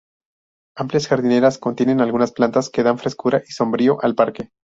Amplias jardineras contienen algunas plantas que dan frescura y sombrío al parque.